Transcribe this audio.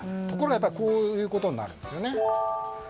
ところがこういうことになるんですよね。